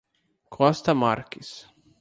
Costa Marques